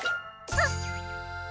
あっ！